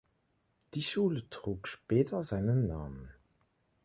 Die Schule trug später seinen Namen.